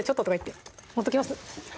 持っときます